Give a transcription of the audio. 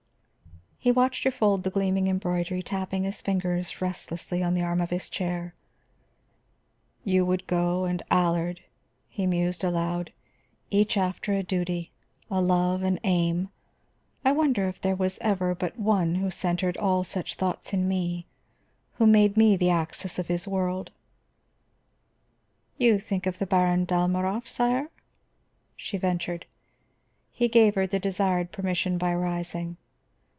He watched her fold the gleaming embroidery, tapping his fingers restlessly on the arm of his chair. "You would go, and Allard," he mused aloud, "each after a duty, a love, an aim. I wonder if there was ever but one who centered all such thoughts in me, who made me the axis of his world?" "You think of Baron Dalmorov, sire?" she ventured. He gave her the desired permission by rising.